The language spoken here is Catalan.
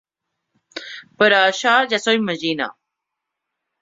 Però això ja s'ho imagina.